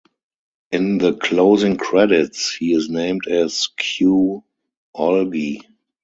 In the closing credits, he is named as "Q Algy".